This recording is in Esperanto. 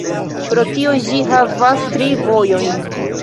Pro tio, ĝi havas tri vojojn.